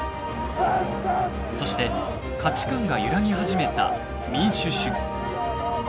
そして価値観が揺らぎ始めた民主主義。